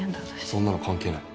そんなの関係ない。